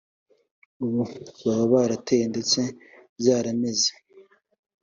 ubu baba barateye ndetse byarameze